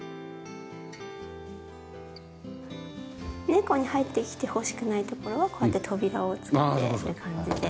猫に入ってきてほしくない所はこうやって扉をつけてって感じで。